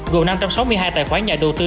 gồm năm trăm sáu mươi hai tài khoản nhà đầu tư